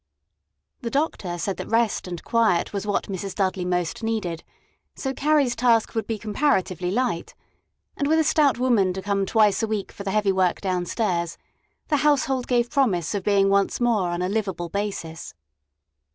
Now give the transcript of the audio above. The doctor said that rest and quiet was what Mrs. Dudley most needed, so Carrie's task would be comparatively light; and with a stout woman to come twice a week for the heavy work downstairs, the household gave promise of being once more on a livable basis.